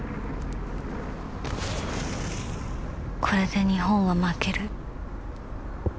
これで日本は負ける。